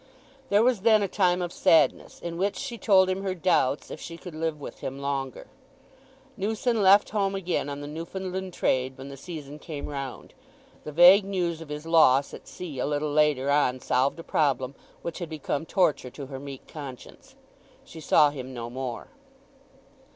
There was then a time of sadness, in which she told him her doubts if she could live with him longer. Newson left home again on the Newfoundland trade when the season came round. The vague news of his loss at sea a little later on solved a problem which had become torture to her meek conscience. She saw him no more.